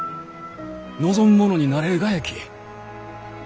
望む者になれるがやき。